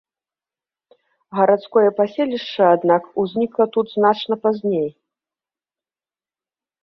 Гарадское паселішча, аднак, узнікла тут значна пазней.